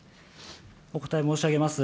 お答え申し上げます。